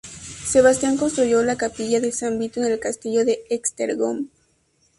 Sebastián construyó la capilla de san Vito en el castillo de Esztergom.